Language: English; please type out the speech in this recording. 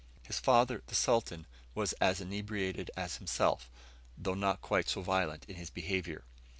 His father, the Sultan, was as inebriated as himself, though not quite so violent in his behaviour.